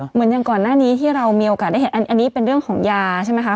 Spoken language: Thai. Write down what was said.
เหมือนอย่างก่อนหน้านี้ที่เรามีโอกาสได้เห็นอันนี้เป็นเรื่องของยาใช่ไหมคะ